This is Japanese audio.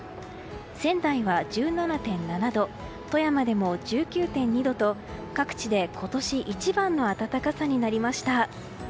仙台は１７．７度富山でも１９．２度と各地で今年一番の暖かさになりました。